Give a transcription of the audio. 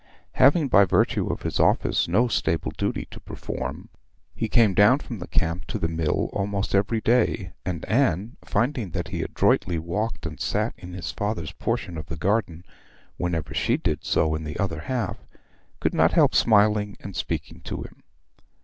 Having by virtue of his office no stable duty to perform, he came down from the camp to the mill almost every day; and Anne, finding that he adroitly walked and sat in his father's portion of the garden whenever she did so in the other half, could not help smiling and speaking to him.